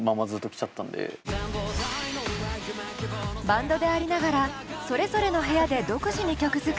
バンドでありながらそれぞれの部屋で独自に曲作り。